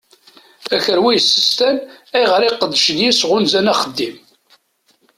Akerwa yessestan ayɣeṛ iqeddacen-is ɣunzan axeddim.